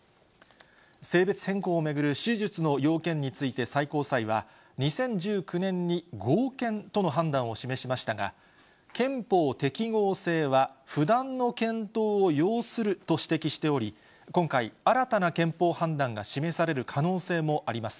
性別変更を巡る手術の要件について最高裁は、２０１９年に合憲との判断を示しましたが、憲法適合性は不断の検討を要すると指摘しており、今回、新たな憲法判断が示される可能性もあります。